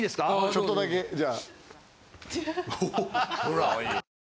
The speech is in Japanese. ちょっとだけじゃあ。